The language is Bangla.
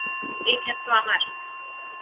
এই ক্ষেত্র আমার!